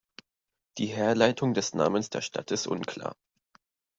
Die Herleitung des Namens der Stadt ist unklar.